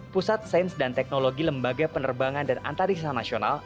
pusat sains dan teknologi lembaga penerbangan dan antariksa nasional